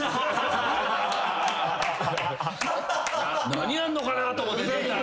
何あんのかなと思って出たら。